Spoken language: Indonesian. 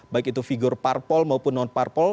baik itu figur parpol maupun non parpol